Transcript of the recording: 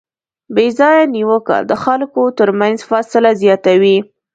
بېځایه نیوکه د خلکو ترمنځ فاصله زیاتوي.